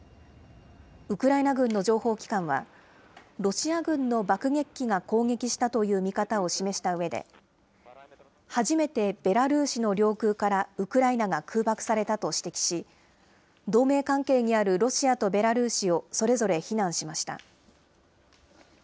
ウクライナ軍の情報機関は、ロシア軍の爆撃機が攻撃したという見方を示したうえで、初めてベラルーシの領空からウクライナが空爆されたと指摘し、同盟関係にあるロシアとベラルーシをそれぞれ非難しました。